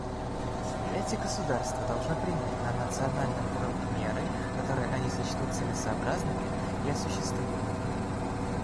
Эти государства должны принять на национальном уровне меры, которые они сочтут целесообразными и осуществимыми.